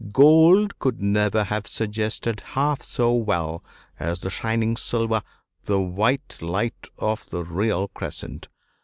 Gold could never have suggested half so well as the shining silver the white light of the real crescent.